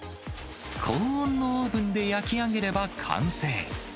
高温のオーブンで焼き上げれば、完成。